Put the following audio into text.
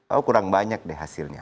oh kurang banyak deh hasilnya